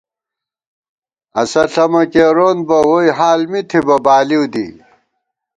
اسہ ݪَمہ کېرونبہ ووئی حال می تھِبہ بالِؤ دِی